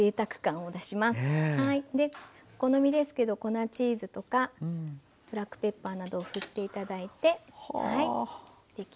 でお好みですけど粉チーズとかブラックペッパーなどをふって頂いてはい出来上がりました。